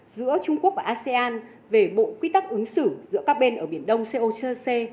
giữa trung quốc và asean về bộ quy tắc ứng xử giữa các bên ở biển đông cocc